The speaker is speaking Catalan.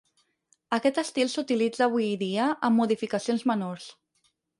Aquest estil s'utilitza avui dia amb modificacions menors.